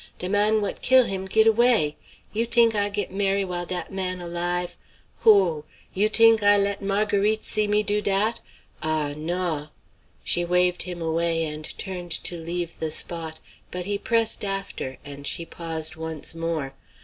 "De man what kill' him git away! You t'ink I git marrie' while dat man alive? Ho o o! You t'ink I let Marguerite see me do dat! Ah! naw!" She waved him away and turned to leave the spot, but he pressed after, and she paused once more.